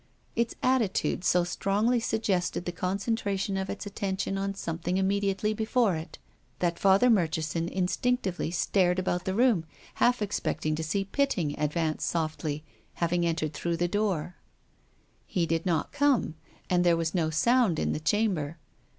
Its attitude so strongly suggested the concentration of its attention on something immediately before it that Father Murchison in stinctively stared about the room, half expecting to sec Pitting advance softly, having entered through the hidden door. He did not come, and there was no sound in the chamber.